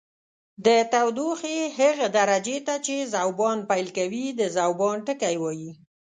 د تودوخې هغه درجې ته چې ذوبان پیل کوي د ذوبان ټکی وايي.